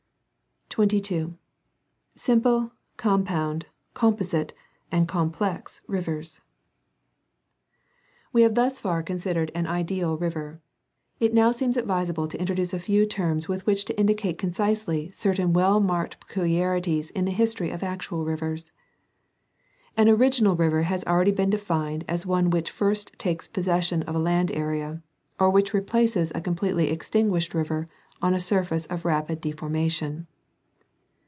22. Shnple, compound^ composite and complex rivers. — We 218 National Geographic Magazine. have thus far considered an ideal river. It now seems advisable to introduce a few terms with which to indicate concisely certain well marked peculiarities in the history of actual rivers. An original river has already been defined as one which first takes possession of a land area, or which replaces a completely extinguished river on a surface of rapid deformation.